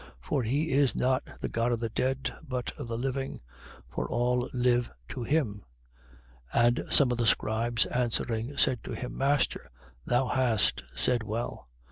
20:38. For he is not the God of the dead, but of the living: for all live to him. 20:39. And some of the scribes answering, said to him: Master, thou hast said well.